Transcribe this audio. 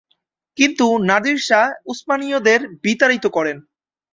কিন্তু Nadir Shah উসমানীয়দের বিতাড়িত করেন।